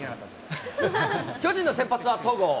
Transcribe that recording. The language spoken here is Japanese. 巨人の先発は戸郷。